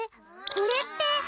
これって。